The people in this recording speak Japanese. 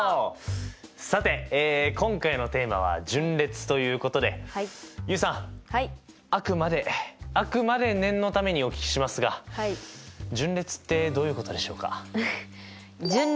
さて今回のテーマは「順列」ということで結衣さんあくまであくまで念のためにお聞きしますが順列ってどういうことでしょうか？